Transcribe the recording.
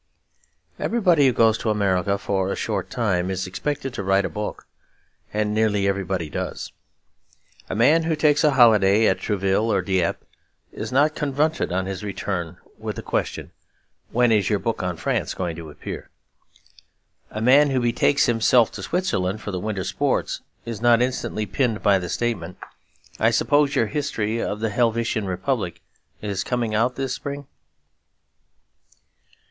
Everybody who goes to America for a short time is expected to write a book; and nearly everybody does. A man who takes a holiday at Trouville or Dieppe is not confronted on his return with the question, 'When is your book on France going to appear?' A man who betakes himself to Switzerland for the winter sports is not instantly pinned by the statement, 'I suppose your History of the Helvetian Republic is coming out this spring?'